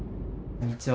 こんにちは。